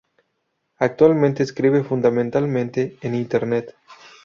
Actualmente escribe fundamentalmente en Internet.